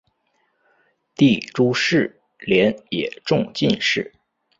弟朱士廉也中进士。